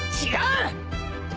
違う。